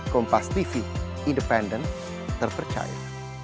kompas tv independen terpercaya